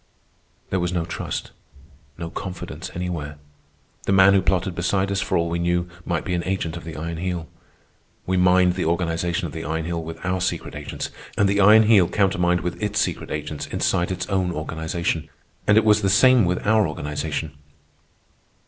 There was no trust, no confidence anywhere. The man who plotted beside us, for all we knew, might be an agent of the Iron Heel. We mined the organization of the Iron Heel with our secret agents, and the Iron Heel countermined with its secret agents inside its own organization. And it was the same with our organization.